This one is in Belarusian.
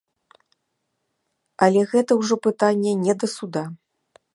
Але гэта ўжо пытанне не да суда.